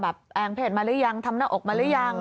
แองเพศมาหรือยังทำหน้าอกมาหรือยัง